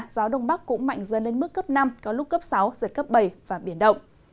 gió đông bắc cũng mạnh dần lên mức cấp năm có lúc cấp sáu giật cấp bảy và biển động